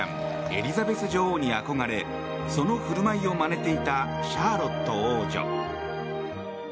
エリザベス女王に憧れその振る舞いをまねていたシャーロット王女。